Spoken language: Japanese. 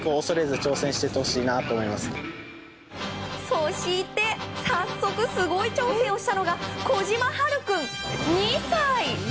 そして、早速すごい挑戦をしたのが小島羽陽君、２歳。